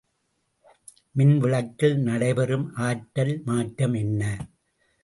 மின்விளக்கில் நடைபெறும் ஆற்றல் மாற்றம் என்ன?